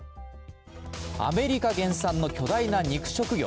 アメリカ原産の巨大な肉食魚。